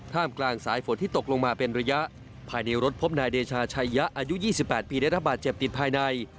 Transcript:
กลางสายฝนที่ตกลงมาเป็นระยะภายในรถพบนายเดชาชัยยะอายุ๒๘ปีได้รับบาดเจ็บติดภายใน